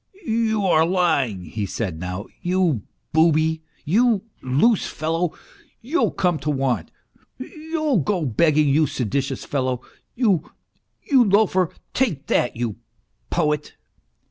" You are lying," he said now. " You booby, you loose fellow ! You'll come to want you'll go begging, you seditious fellow, you you loafer. Take that, you poet